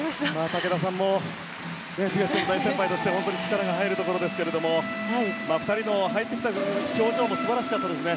武田さんもデュエットの大先輩として力が入るところですが２人の表情も素晴らしかったですね。